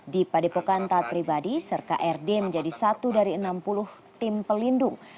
di padepokan taat pribadi serka rd menjadi satu dari enam puluh tim pelindung